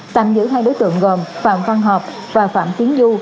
tạm giữ hai đối tượng gồm phạm văn hợp và phạm tiến du